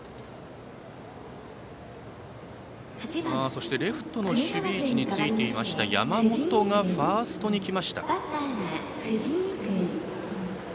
そして、レフトの守備位置についていました山本がファーストに来ました。